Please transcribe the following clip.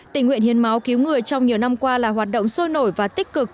tình nguyện hiến máu cứu người trong nhiều năm qua là hoạt động sôi nổi và tích cực